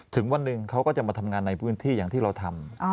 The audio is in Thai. ถึงวันหนึ่งเขาก็จะมาทำงานในพื้นที่อย่างที่เราทำ